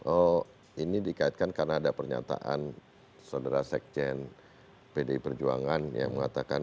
oh ini dikaitkan karena ada pernyataan saudara sekjen pdi perjuangan yang mengatakan